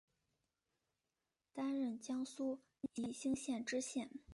担任江苏宜兴县知县。